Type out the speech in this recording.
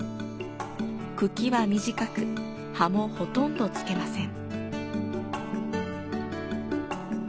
茎は短く葉もほとんどつけません。